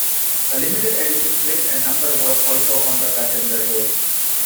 A limited edition plate and number was also on the passenger door.